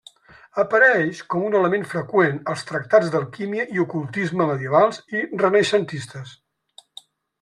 Apareix com un element freqüent als tractats d'alquímia i ocultisme medievals i renaixentistes.